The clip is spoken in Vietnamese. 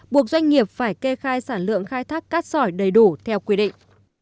buộc doanh nghiệp phải kê khai sản lượng khai thác cát sỏi đầy đủ theo quy định